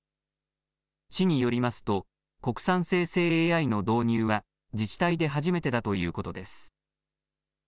市によりますと国産生成ＡＩの導入は自治体で初めてだということです。